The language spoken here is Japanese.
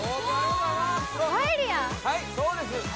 はいそうです。